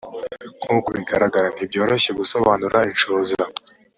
nk uko bigaragara ntibyoroshye gusobanura inshoza